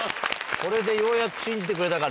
これでようやく信じてくれたかな。